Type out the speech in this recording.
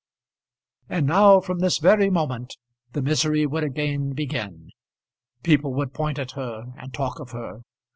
And now, from this very moment, the misery would again begin. People would point at her, and talk of her.